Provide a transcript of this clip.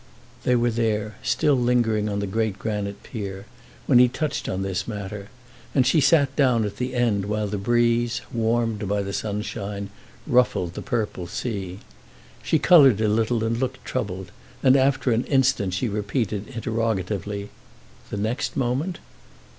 They were still lingering on the great granite pier when he touched on this matter, and she sat down at the end while the breeze, warmed by the sunshine, ruffled the purple sea. She coloured a little and looked troubled, and after an instant she repeated interrogatively: "The next moment?"